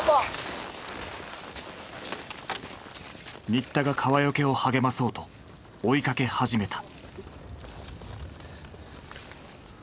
新田が川除を励まそうと追いかけ始めた。